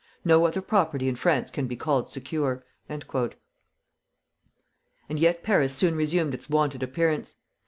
No other property in France can be called secure!" And yet Paris soon resumed its wonted appearance.